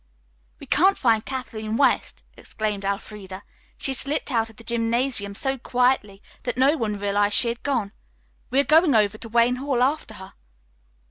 "We can't find Kathleen West!" exclaimed Elfreda. "She slipped out of the gymnasium so quietly that no one realized she had gone. We are going over to Wayne Hall after her."